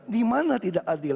di mana tidak adil